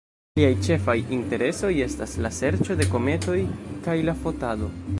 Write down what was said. Liaj ĉefaj interesoj estas la serĉo de kometoj kaj la fotado.